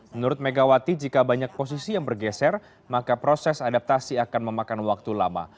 menurut megawati jika banyak posisi yang bergeser maka proses adaptasi akan memakan waktu lama